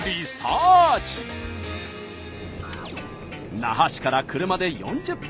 那覇市から車で４０分。